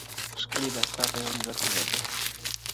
ښكلي دا ستا په يو نظر كي جــادو,